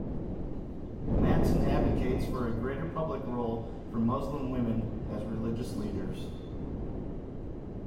Mattson advocates for a greater public role for Muslim women as religious leaders.